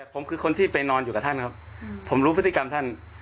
ผมคือคนที่ไปนอนอยู่กับท่านครับผมรู้พฤติกรรมท่าน